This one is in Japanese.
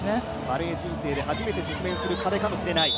バレー人生で初めて直面する壁かもしれない。